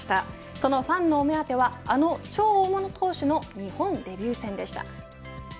そのファンのお目当てはあの超大物投手の日本デビュー戦でした。